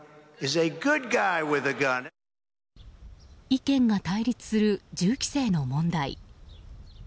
意見が対立する銃規制の問題。